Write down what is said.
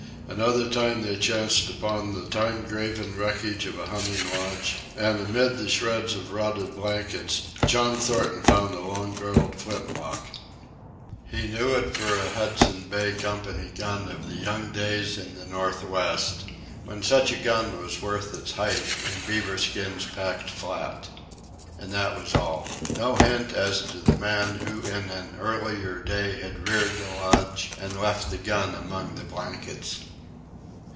Another time they chanced upon the time graven wreckage of a hunting lodge, and amid the shreds of rotted blankets John Thornton found a long barrelled flint lock. He knew it for a Hudson Bay Company gun of the young days in the Northwest, when such a gun was worth its height in beaver skins packed flat, And that was all—no hint as to the man who in an early day had reared the lodge and left the gun among the blankets.